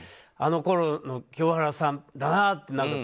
あのころの清原さんだなって。